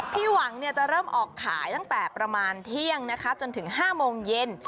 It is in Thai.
พี่หวังจะเริ่มออกขายตั้งแต่ประมาณเที่ยงนะคะจนถึง๕โมงเย็น